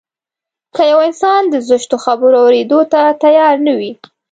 که يو انسان د زشتو خبرو اورېدو ته تيار نه وي.